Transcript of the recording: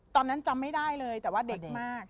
ตอนนั้นจำไม่ได้เลยแต่ว่าเด็กมาก